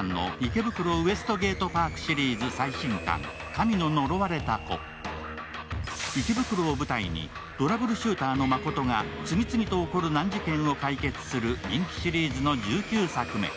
お支払いはクレジットですね？と聞くと池袋を舞台にトラブルシューターのマコトが次々と起こる難事件を解決する人気シリーズの１９作目。